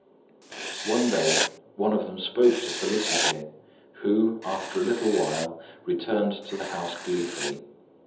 One day, one of them spoke to Félicité, who, after a little while, returned to the house gleefully.